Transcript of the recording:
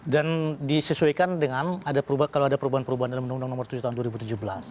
dan disesuaikan dengan kalau ada perubahan perubahan dalam undang undang nomor tujuh tahun dua ribu tujuh belas